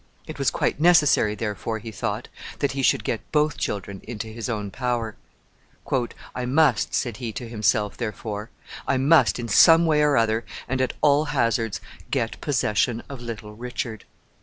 It was quite necessary, therefore, he thought, that he should get both children into his own power. "I must," said he to himself, therefore, "I must, in some way or other, and at all hazards, get possession of little Richard."